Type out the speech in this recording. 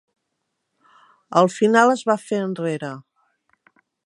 Al final es va fer enrere.